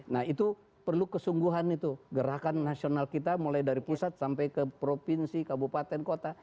nah itu perlu kesungguhan itu gerakan nasional kita mulai dari pusat sampai ke provinsi kabupaten kota